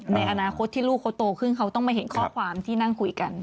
ในอนาคตที่ลูกเขาโตขึ้นเขาต้องมาเห็นข้อความที่นั่งคุยกัน